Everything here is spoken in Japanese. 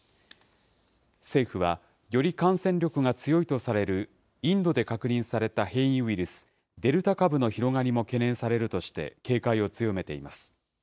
政府は、より感染力が強いとされるインドで確認された変異ウイルス、デルタ株の広がりも懸念されるとして、警戒を強めています。